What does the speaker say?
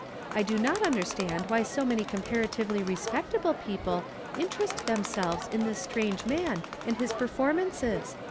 I do not understand why so many comparatively respectable people interest themselves in this strange man and his perform ances.